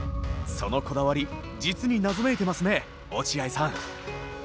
そのこだわり実に謎めいてますね落合さん。